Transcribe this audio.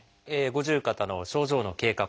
五十肩の症状の経過